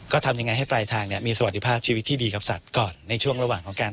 ก็ทำยังไงให้ปลายทางเนี่ยมีสวัสดิภาพชีวิตที่ดีกับสัตว์ก่อนในช่วงระหว่างของการ